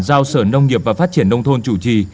giao sở nông nghiệp và phát triển nông thôn chủ trì